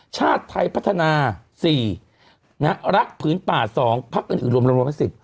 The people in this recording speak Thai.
ชาติไทยพัฒนาสี่นะฮะรักผืนป่าสองพักอื่นอื่นรวมรวมรวมเป็นสิบ